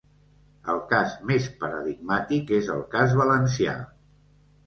El cas més paradigmàtic és el cas valencià.